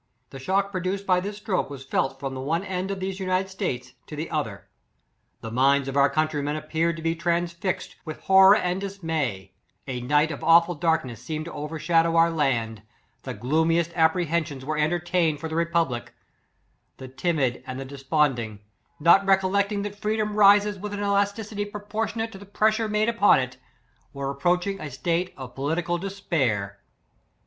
The shock produced by this stroke was felt from the one end of these United States to the other. The minds of our countrymen appeared to be transfixed with horror and dismay; a night of awful dark ness seemed to overshadow our land; the gloomiest apprehensions were entertained for the republic; the timid and the despond ing, not recollecting that freedom rises with an elasticity proportionate to the pres sure made upon it, were approaching a state of political despair.